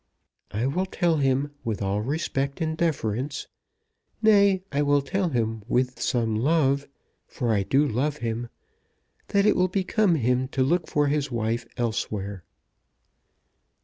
"I will tell him with all respect and deference, nay, I will tell him with some love, for I do love him, that it will become him to look for his wife elsewhere."